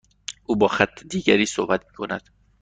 او با خط دیگری صحبت میکند.